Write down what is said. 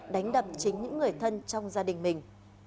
đánh đập chính những người thân trong gia đình mình